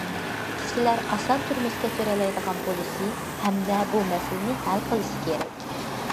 كىشىلەر ئاسان تۇرمۇش كەچۈرەلەيدىغان بولۇشى ھەمدە بۇ مەسىلىنى ھەل قىلىش كېرەك.